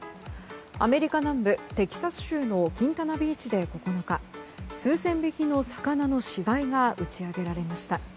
アメリカ南部テキサス州のキンタナビーチで９日数千匹の魚の死骸が打ち上げられました。